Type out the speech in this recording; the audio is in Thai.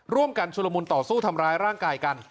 ชุลมุนต่อสู้ทำร้ายร่างกายกัน